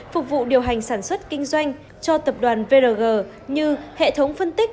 phục vụ điều hành sản xuất kinh doanh cho tập đoàn vrg như hệ thống phân tích